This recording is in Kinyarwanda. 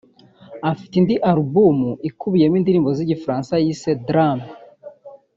Afite indi album ikubiyeho indirimbo z’Igifaransa yise ‘Drame’